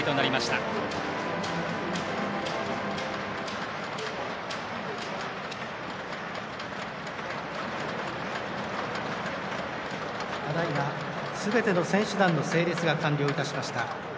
ただいま、すべての選手団の整列が完了いたしました。